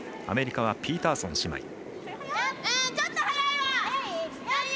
アメリカはピーターソン姉妹。